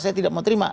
saya tidak mau terima